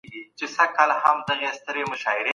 چي هغه نه وي هغه چــوفــــه اوسي